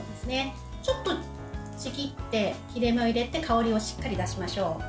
ちょっとちぎって切れ目を入れて香りをしっかり出しましょう。